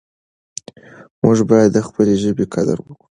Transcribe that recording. موږ باید د خپلې ژبې قدر وکړو.